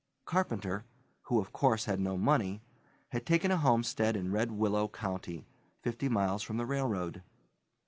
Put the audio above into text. Carpenter, who, of course, had no money, had taken a homestead in Red Willow County, fifty miles from the railroad.